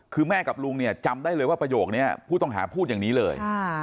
คือแม่กับลุงเนี่ยจำได้เลยว่าประโยคนี้ผู้ต้องหาพูดอย่างนี้เลย